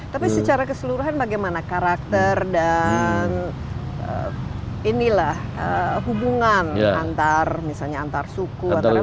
tapi secara keseluruhan bagaimana karakter dan ini lah hubungan antar misalnya antarsuku